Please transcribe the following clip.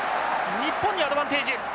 日本にアドバンテージ。